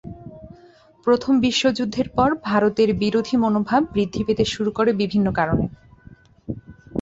প্রথম বিশ্বযুদ্ধের পর, ভারতের বিরোধী মনোভাব বৃদ্ধি পেতে শুরু করে বিভিন্ন কারণে।